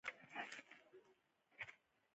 موږ به نن ډوډۍ په کور کی پخوو